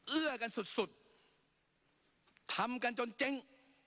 เอื้อกันสุดทำกันจนเจ๊ง